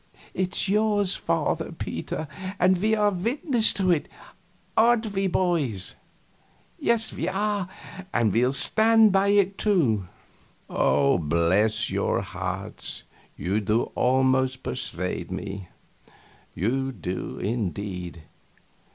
"It is yours, Father Peter, and we are witness to it. Aren't we, boys?" "Yes, we are and we'll stand by it, too." "Bless your hearts, you do almost persuade me; you do, indeed.